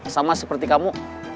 sama seperti kamu